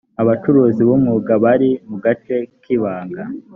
abacuruzi b’ umwuga bari mugace kibanga.